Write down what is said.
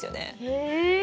へえ。